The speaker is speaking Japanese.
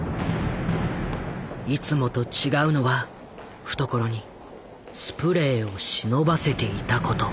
いつもと違うのは懐にスプレーを忍ばせていたこと。